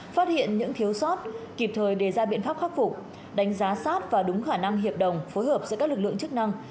phát hiện những thiếu sót kịp thời đề ra biện pháp khắc phục đánh giá sát và đúng khả năng hiệp đồng phối hợp giữa các lực lượng chức năng